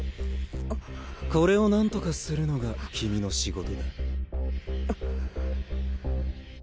これをなんとかするのが君の仕事だ。